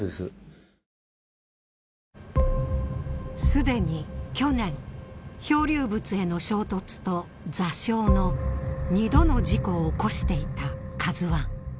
すでに去年漂流物への衝突と座礁の２度の事故を起こしていたＫＡＺＵⅠ。